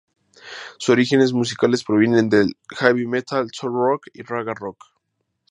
Sus orígenes musicales provienen del Heavy metal, Soul rock y Raga rock.